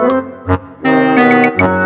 saya sedang berjumpa dengan nama allah